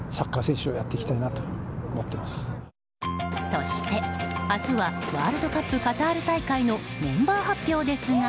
そして、明日はワールドカップカタール大会のメンバー発表ですが。